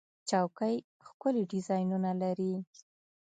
چوکۍ ښکلي ډیزاینونه لري.